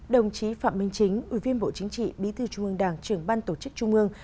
đồng chí phạm minh chính ủy viên bộ chính trị bí thư trung ương đảng trưởng ban tổ chức trung ương